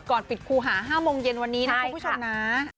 ก่อนปิดครูหา๕โมงเย็นวันนี้นะคุณผู้ชมนะ